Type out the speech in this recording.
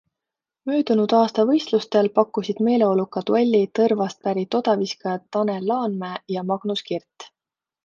Möödunud aasta võistlustel pakkusid meeleoluka duelli Tõrvast pärit odaviskajad Tanel Laanmäe ja Magnus Kirt.